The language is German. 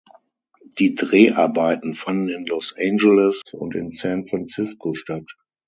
Die Dreharbeiten fanden in Los Angeles und in San Francisco statt.